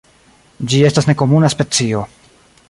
Ĝi estas nekomuna specio.